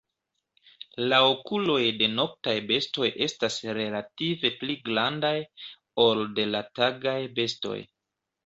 La okuloj de noktaj bestoj estas relative pli grandaj, ol de la tagaj bestoj.